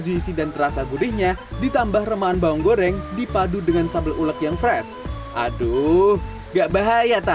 juisi dan terasa gurihnya ditambah remahan bawang goreng dipadu dengan sabel ulek yang fresh aduh